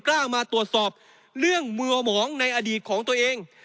กล้ามาตรวจสอบเรื่องมือหมองในอดีตของตัวเอง